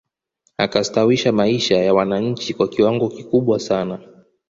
Akastawisha maisha ya wananchi kwa kiwango kikubwa sana